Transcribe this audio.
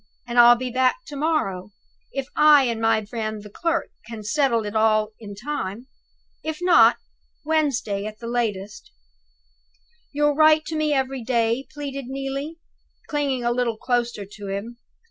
And I'll be back to morrow, if I and my friend the clerk can settle it all in time. If not, by Wednesday at latest." "You'll write to me every day?" pleaded Neelie, clinging a little closer to him.